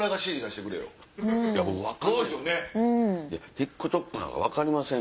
ＴｉｋＴｏｋなんか分かりません